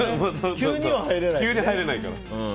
急には入れないからね。